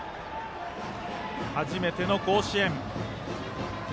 初めての甲子園。